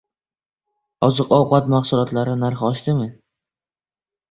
Oziq-ovqat mahsulotlari narxi oshdimi?